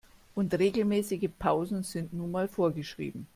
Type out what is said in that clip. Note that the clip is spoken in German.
Und regelmäßige Pausen sind nun mal vorgeschrieben.